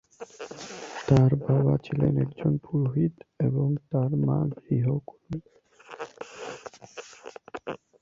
তার বাবা ছিলেন একজন পুরোহিত এবং তার মা গৃহকর্মী।